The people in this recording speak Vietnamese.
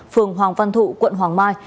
phường hoàng văn thụ quận hoàng mai